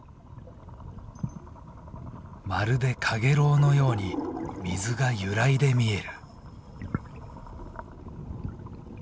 まるで陽炎のように水が揺らいで見える。